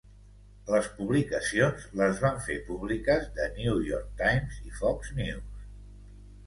Les publicacions les van fer públiques "The New York Times" i Fox News.